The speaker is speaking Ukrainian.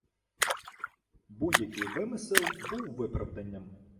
Будь-який вимисел був виправданням